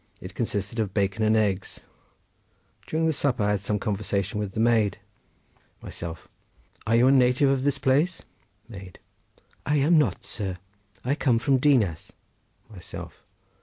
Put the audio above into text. It consisted of bacon and eggs. During supper I had some conversation with the maid. Myself.—Are you a native of this place? Maid.—I am not, sir; I come from Dinas. Myself.